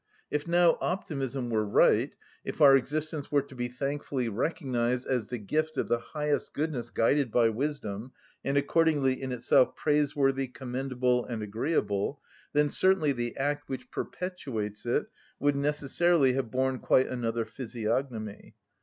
If now optimism were right, if our existence were to be thankfully recognised as the gift of the highest goodness guided by wisdom, and accordingly in itself praiseworthy, commendable, and agreeable, then certainly the act which perpetuates it would necessarily have borne quite another physiognomy.